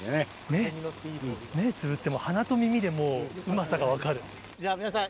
目つぶっても鼻と耳でもううまさが分かる。